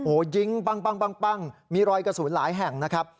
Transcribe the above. โอ้โฮยิงมีรอยกระสูญหลายแห่งนะครับ